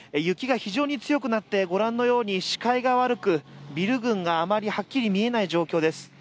雪が非常に強くなってごらんのように視界が悪く、ビル群があまりはっきり見えない状況です。